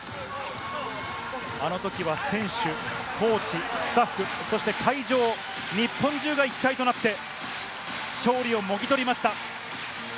あのときは選手、コーチ、スタッフ、そして会場、日本中が一体となって、勝利をもぎ取りました。